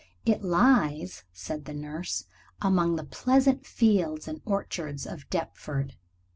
"It lies," said the nurse, "among the pleasant fields and orchards of Deptford."